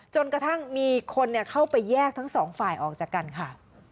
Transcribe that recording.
จนกระทั่งมีคนเข้าไปแยกทั้งสองฝ่ายออกจากกันค่ะ